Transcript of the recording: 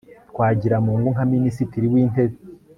twagiramungu nka minisitiri w'intebe